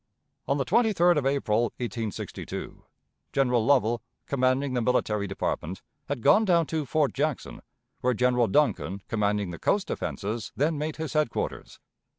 On the 23d of April, 1862, General Lovell, commanding the military department, had gone down to Fort Jackson, where General Duncan, commanding the coast defenses, then made his headquarters.